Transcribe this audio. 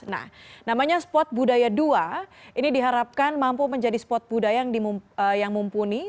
nah namanya spot budaya dua ini diharapkan mampu menjadi spot budaya yang mumpuni